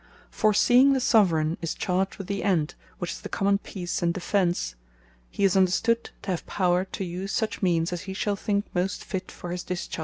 For seeing the Soveraign is charged with the End, which is the common Peace and Defence; he is understood to have Power to use such Means, as he shall think most fit for his discharge.